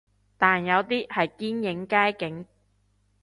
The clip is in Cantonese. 但都有啲係堅影街景